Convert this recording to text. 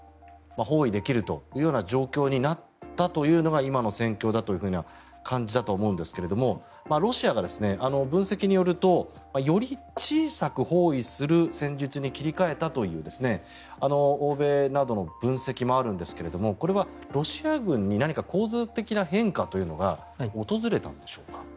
包囲できるというような状況になったというのが今の戦況だという感じだと思うんですがロシアが分析によるとより小さく包囲する戦術に切り替えたという欧米などの分析もあるんですがこれは、ロシア軍に何か構造的な変化というのが訪れたんでしょうか。